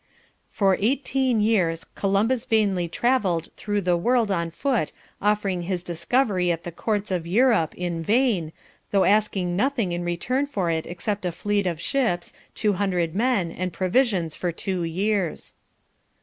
"...For eighteen years Columbus vainly travelled through the world on foot offering his discovery at the courts of Europe, in vain, though asking nothing in return for it except a fleet of ships, two hundred men and provisions for two years."